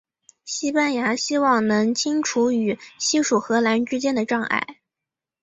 西班牙希望能清除与西属荷兰之间的障碍。